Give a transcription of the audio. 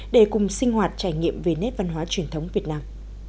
để cùng sinh hoạt trải nghiệm về nét văn hóa truyền thống việt nam